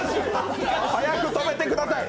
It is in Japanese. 早く止めてください。